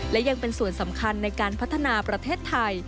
และยังเป็นส่วนสำคัญในการพัฒนาประเทศไทย